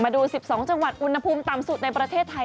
ดู๑๒จังหวัดอุณหภูมิต่ำสุดในประเทศไทย